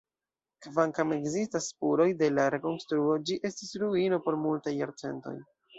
Kvankam ekzistas spuroj de la rekonstruo, ĝi estis ruino por multaj jarcentoj.